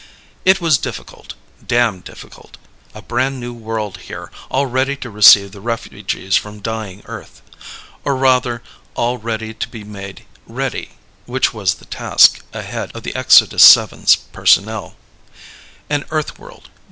It was difficult. Damned difficult. A brand new world here, all ready to receive the refugees from dying Earth. Or rather, all ready to be made ready, which was the task ahead of the Exodus VII's personnel. An Earth like world.